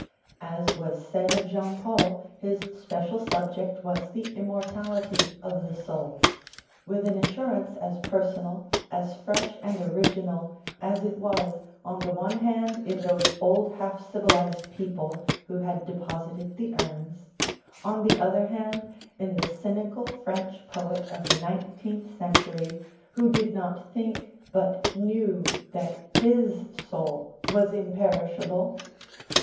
As was said of Jean Paul, his special subject was the immortality of the soul; with an assurance as personal, as fresh and original, as it was, on the one hand, in those old half civilised people who had deposited the urns; on the other hand, in the cynical French poet of the nineteenth century, who did not think, but knew, that his soul was imperishable.